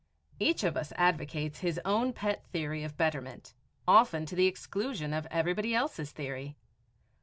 Each of us advocates his own pet theory of betterment, often to the exclusion of everybody else's theory.